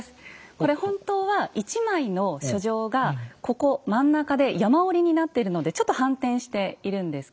これ本当は１枚の書状がここ真ん中で山折りになってるのでちょっと反転しているんですけれども。